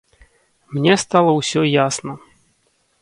Мне стала ўсё ясна.